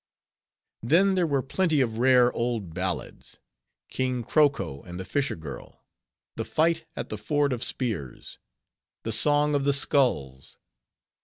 Then there were plenty of rare old ballads:— "King Kroko, and the Fisher Girl." "The Fight at the Ford of Spears." "The Song of the Skulls."